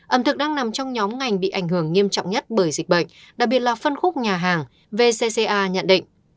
ẩm thực đang nằm trong nhóm ngành bị ảnh hưởng nghiêm trọng nhất bởi dịch bệnh đặc biệt là phân khúc nhà hàng vcca nhận định